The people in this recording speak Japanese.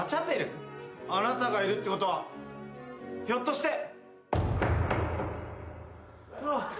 あなたがいるってことはひょっとして！